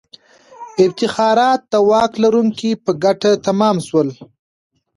افتخارات د واک لرونکو په ګټه تمام سول.